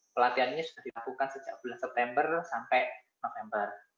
pelatihannya sudah dilakukan sejak bulan september sampai november